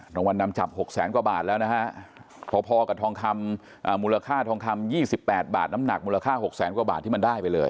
รางวัลนำจับ๖แสนกว่าบาทแล้วนะฮะพอกับทองคำมูลค่าทองคำ๒๘บาทน้ำหนักมูลค่า๖แสนกว่าบาทที่มันได้ไปเลย